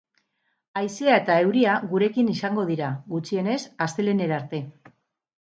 Haizea eta euria gurekin izango dira, gutxienez, astelehenera arte.